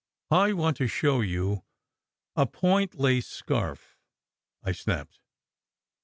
"I want to show you a point lace scarf," I snapped.